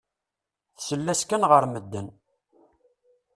Tessal-as kan ɣer medden.